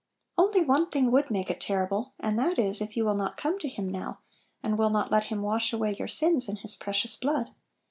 Only one thing would make it terri ble, and that is, if you will not come to Him now, and will not let Him wash away your sins in His precious blood.